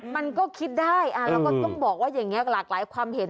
มันก็คิดได้แล้วก็ต้องบอกว่าอย่างนี้หลากหลายความเห็น